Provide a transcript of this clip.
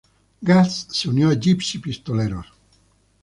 Gaz se unió a Gypsy Pistoleros.